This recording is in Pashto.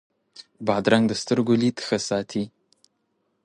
بادرنګ د سترګو لید ښه ساتي.